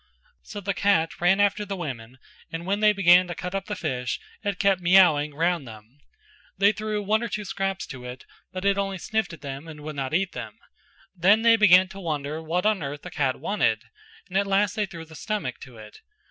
So the cat ran after the women and when they began to cut up the fish, it kept mewing round them. They threw one or two scraps to it, but it only sniffed at them and would not eat them; then they began to wonder what on earth the cat wanted, and at last they threw the stomach to it.